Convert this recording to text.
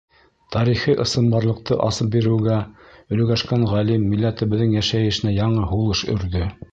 Тарихи ысынбарлыҡты асып биреүгә өлгәшкән ғалим милләтебеҙҙең йәшәйешенә яңы һулыш өрҙө.